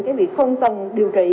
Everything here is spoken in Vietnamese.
cái việc phân tầng điều trị